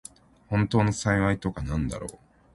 本当の幸いとはなんだろう。